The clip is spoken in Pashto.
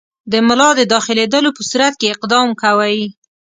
د ملا د داخلېدلو په صورت کې اقدام کوئ.